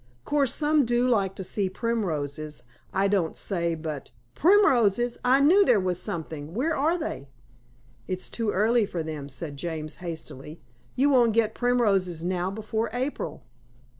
"Course, some do like to see primroses, I don't say. But " "Primroses I knew there was something. Where are they?" "It's too early for them," said James hastily. "You won't get primroses now before April."